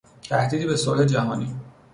تهدیدی به صلح جهانی